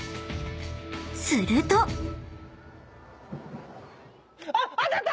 ［すると］当たった！